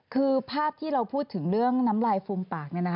คือภาพที่เราพูดถึงเรื่องน้ำลายฟูมปาก